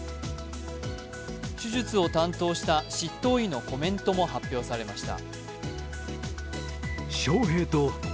手術を担当した執刀医のコメントも発表されました。